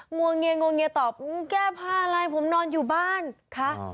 วงเงียงวงเงียตอบแก้ผ้าอะไรผมนอนอยู่บ้านคะ